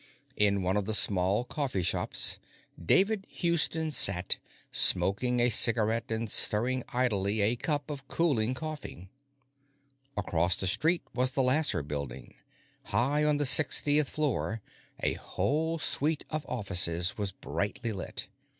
In one of the small coffee shops, David Houston sat, smoking a cigarette and stirring idly at a cup of cooling coffee. Across the street was the Lasser Building; high up on the sixtieth floor, a whole suite of offices was brightly lit.